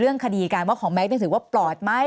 เรื่องคดีการว่าของแก๊กถือว่าปลอดไหม